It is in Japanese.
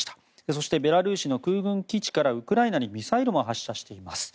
そしてベラルーシの空軍基地からウクライナにミサイルも発射しています。